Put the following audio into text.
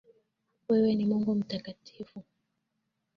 Wewe Mungu ni mtakatifu.